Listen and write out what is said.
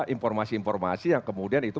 informasi informasi yang kemudian itu